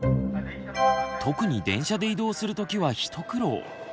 特に電車で移動する時は一苦労。